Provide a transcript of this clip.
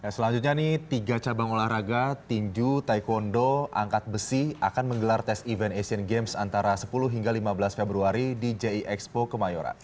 selanjutnya nih tiga cabang olahraga tinju taekwondo angkat besi akan menggelar tes event asian games antara sepuluh hingga lima belas februari di jie expo kemayoran